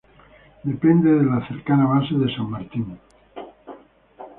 Depende de la cercana base San Martín.